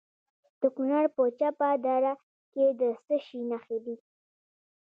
د کونړ په چپه دره کې د څه شي نښې دي؟